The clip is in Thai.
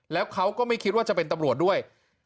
แล้วเขาก็ไม่คิดว่าจะเป็นตำรวจด้วย